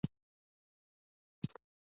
نو د ډېر برید کوونکي چلند پېرودونکی به هم